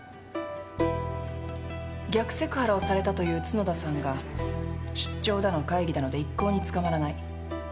逆セクハラをされたという角田さんが出張だの会議だので一向につかまらない。